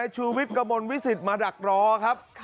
ชุวิทย์กะมลวิศิษฐ์มาดักรอครับ